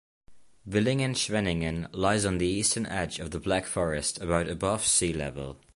Villingen-Schwenningen lies on the eastern edge of the Black Forest about above sea level.